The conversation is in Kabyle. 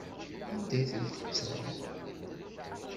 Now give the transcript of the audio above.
Anda ay ten-tettuḍ?